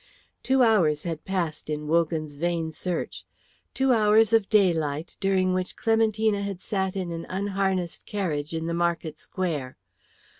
Two hours had passed in Wogan's vain search, two hours of daylight, during which Clementina had sat in an unharnessed carriage in the market square.